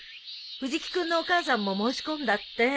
藤木君のお母さんも申し込んだって。